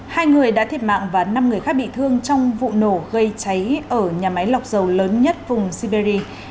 hai người đã thiệt mạng và năm người khác bị thương trong vụ nổ gây cháy ở nhà máy lọc dầu lớn nhất vùng siberia